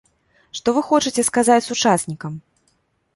Што вы хочаце сказаць сучаснікам?